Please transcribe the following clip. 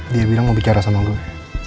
dia bilang mau bicara sama gue